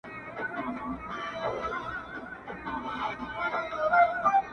خدای انډیوال که جانان څۀ ته وایي-